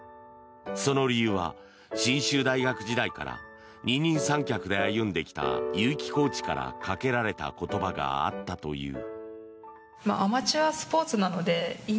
その理由は信州大学時代から二人三脚で歩んできた結城コーチからかけられた言葉があったという。